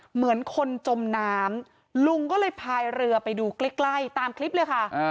เหมือนคนจมน้ำลุงก็เลยพายเรือไปดูใกล้ตามคลิปเลยค่ะ